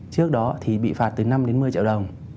trước đó thì bị phạt từ năm đến một mươi triệu đồng